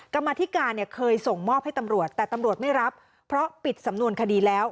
กรรมธิการเนี่ยเคยส่งมอบให้ตำรวจแต่ตำรวจไม่รับเพราะปิดสำนวนคดีแล้ว